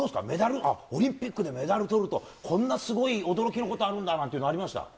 メダル、オリンピックでメダルとるとこんなすごい驚きのことあるんだなっ